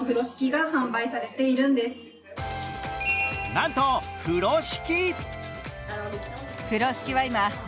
なんと風呂敷。